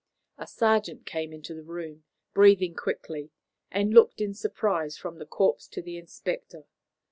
A sergeant came into the room, breathing quickly, and looked in surprise from the corpse to the inspector.